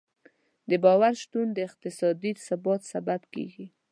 د باور شتون د اقتصادي ثبات سبب کېږي.